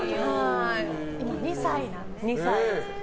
２歳なんですね。